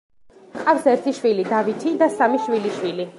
ჰყავს ერთი შვილი, დავითი და სამი შვილიშვილი.